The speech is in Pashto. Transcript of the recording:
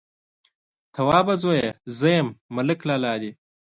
_توابه زويه! زه يم، ملک لالا دې.